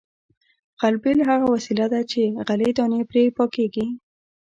غلبېل هغه وسیله ده چې غلې دانې پرې پاکیږي